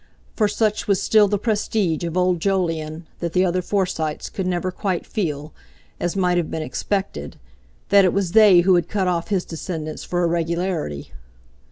For such was still the prestige of old Jolyon that the other Forsytes could never quite feel, as might have been expected, that it was they who had cut off his descendants for irregularity.